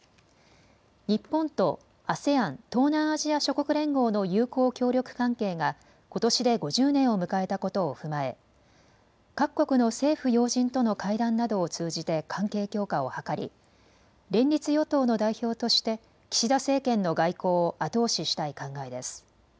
日本とＡＳＥＡＮ・東南アジア諸国連合の友好協力関係がことしで５０年を迎えたことを踏まえ、各国の政府要人との会談などを通じて関係強化を図り連立与党の代表として岸田政権の外交を後押ししたい考えです。